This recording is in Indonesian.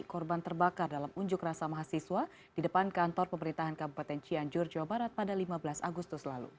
korban terbakar dalam unjuk rasa mahasiswa di depan kantor pemerintahan kabupaten cianjur jawa barat pada lima belas agustus lalu